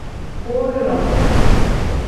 Wo lom.